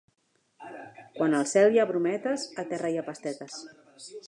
Quan al cel hi ha brometes, a terra hi ha pastetes.